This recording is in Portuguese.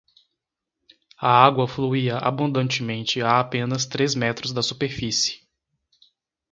A água fluía abundantemente a apenas três metros da superfície.